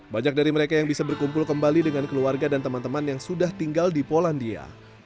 banyak dari mereka yang bisa berkumpul kembali dengan keluarga dan teman teman yang sudah tinggal di polandia